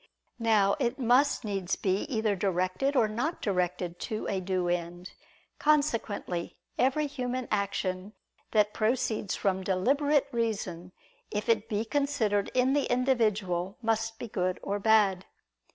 Now it must needs be either directed or not directed to a due end. Consequently every human action that proceeds from deliberate reason, if it be considered in the individual, must be good or bad.